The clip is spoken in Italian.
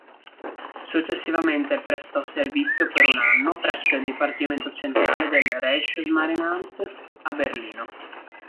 Successivamente prestò servizio per un anno presso il dipartimento centrale del Reichsmarinamt a Berlino.